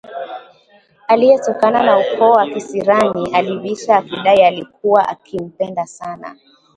aliyetokana na ukoo wa kisirani alibisha akidai alikuwa akimpenda sana